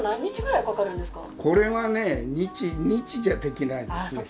これはね日じゃできないですね。